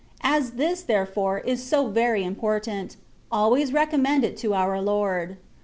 f As this, therefore, is so very important, always recommend it to our Lord.